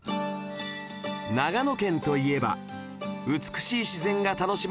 長野県といえば美しい自然が楽しめる絶景